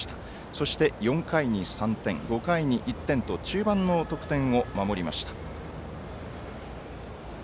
そして、４回に３点５回に１点と中盤の得点を守りました。